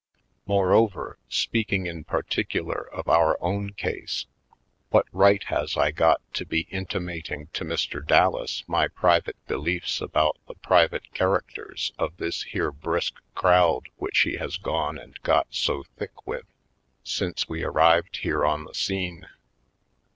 Moreover, speaking in particular of our own case, what right has I got to be intimat ing to Mr. Dallas my private beliefs about the private characters of this here brisk crowd which he has gone and got so thick with since we arrived here on the scene?